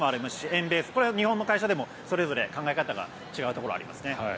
円ベース、これは日本の会社でもそれぞれ考え方は違うところはありますね。